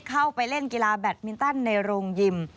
เข้าไปเล่นกีฬาแบตมินตันในโรงยิม